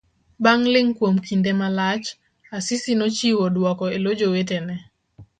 Bang' ling kuom kinde malach. Asisi nochiwo dwoko elo jowetene.